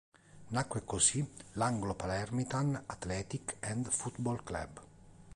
Nacque così l"'Anglo-Palermitan Athletic and Foot-Ball Club".